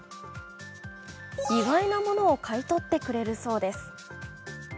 意外なものを買い取ってくれるそうです。